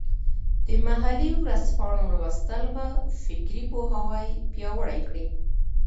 د محلي ورځپاڼو لوستل به فکري پوهاوي پیاوړی کړي.